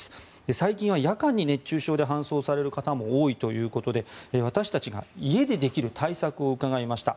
最近は夜間に熱中症で搬送される方も多いということで私たちが家でできる対策を伺いました。